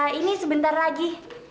ehm ini sebentar lagi